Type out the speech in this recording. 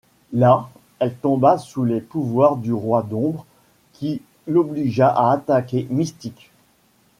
Là, elle tomba sous les pouvoirs du Roi d'ombre qui l'obligea à attaquer Mystique.